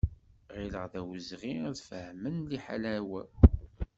Ɣilleɣ d awezɣi ad fehmen liḥala-w.